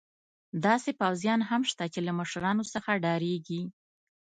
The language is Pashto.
داسې پوځیان هم شته چې له مشرانو څخه ډارېږي.